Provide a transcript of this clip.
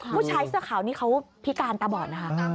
ผู้ชายเสื้อขาวนี่เขาพิการตาบอดนะคะ